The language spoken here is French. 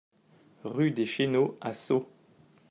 Rue des Chéneaux à Sceaux